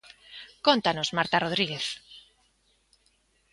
Cóntanos, Marta Rodríguez.